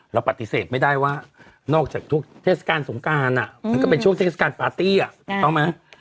เราปฏิเสธไม่ได้ว่านอกจากทุกเทศกาลสงการมันก็เป็นช่วงเทศกาลปาร์ตี้ต้องไหม